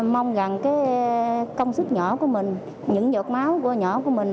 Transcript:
mong rằng cái công sức nhỏ của mình những giọt máu nhỏ của mình